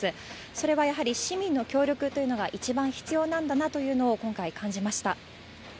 それはやはり、市民の協力というのが一番必要なんだなというのを、今回感じました。